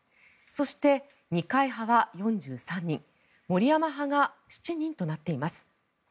そして、二階派は４３人森山派が７人となっています。